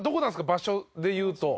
場所で言うと。